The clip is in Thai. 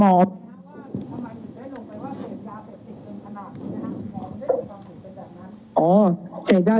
ในขณะนี้ครับครับ